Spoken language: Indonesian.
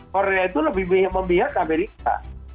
korea itu lebih memihak amerika